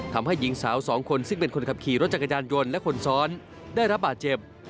ทำให้หญิงสาวสองคนซึ่งเป็นคนขับขี่รถจักรยานยนต์และคนซ้อนได้รับบาดเจ็บ